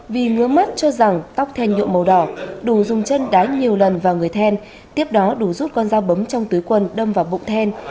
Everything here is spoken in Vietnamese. vì ngứa mắt cho rằng tóc thèn nhộn màu đỏ đù dùng chân đáy nhiều lần vào người thèn tiếp đó đù rút con rau bấm trong túi quần đâm vào bụng thèn